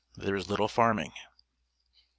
There is Uttle farming. St.